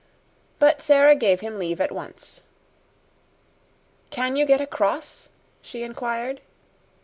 But Sara gave him leave at once. "Can you get across?" she inquired.